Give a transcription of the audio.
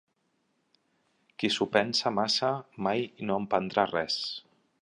Qui s'ho pensa massa, mai no emprendrà res.